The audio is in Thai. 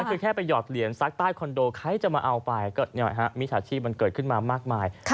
ก็คือแค่ไปหอดเหรียญซักใต้คอนโดใครจะมาเอาไปก็มิจฉาชีพมันเกิดขึ้นมามากมาย